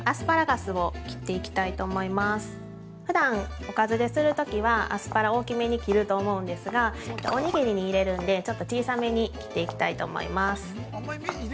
ふだん、おかずでするときはアスパラ、大きめに切ると思うんですがおにぎりに入れるんでちょっと小さめに切っていきたいと思います。